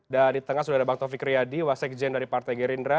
dan di tengah sudah ada bang taufik riyadi wasek jend dari partai gerindra